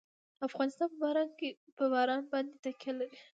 افغانستان په باران باندې تکیه لري.